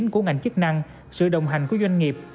của ngành chức năng sự đồng hành của doanh nghiệp